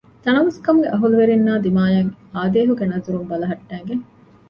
ތަނަވަސްކަމުގެ އަހްލުވެރީންނާ ދިމާޔަށް އާދޭހުގެ ނަޒަރުން ބަލަހައްޓައިގެން